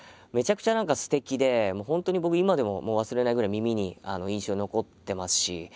めちゃくちゃ何かすてきで本当に僕今でも忘れないぐらい耳に印象に残ってますし。